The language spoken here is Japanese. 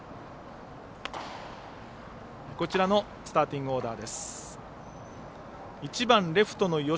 こちらのスターティングオーダー。